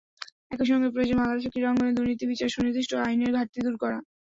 একই সঙ্গে প্রয়োজন বাংলাদেশের ক্রীড়াঙ্গনে দুর্নীতির বিচারে সুনির্দিষ্ট আইনের ঘাটতি দূর করা।